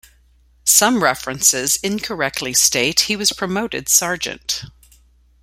Some references incorrectly state he was promoted sergeant.